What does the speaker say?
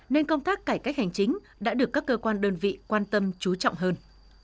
nên công tác cải cách hành chính đã được các cơ quan đơn vị quan tâm chú trọng hơn